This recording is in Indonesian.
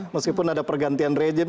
meskipun ada pergantian rejim